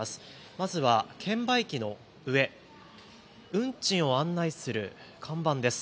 まずは券売機の上、運賃を案内する看板です。